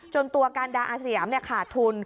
ตัวการดาอาสยามขาดทุน